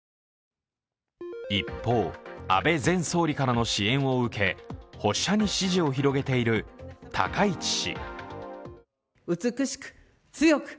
一方、安倍前総理からの支援を受け保守派に支持を広げている高市氏。